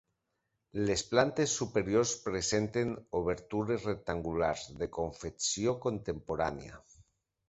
Les plantes superiors presenten obertures rectangulars de confecció contemporània.